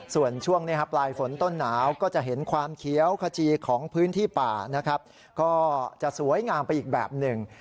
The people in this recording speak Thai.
ส่วนช่วงนี้ปลายฝนต้นหนาวก็จะเห็นความเขียวขจีของพื้นที่ป่านะครับก็จะสวยงามไปอีกแบบหนึ่ง